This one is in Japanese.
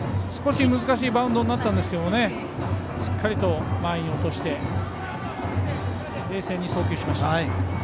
少し難しいバウンドになったんですがしっかり前に落として冷静に送球しました。